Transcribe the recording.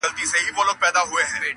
په حرامو سړی کله نه مړېږي،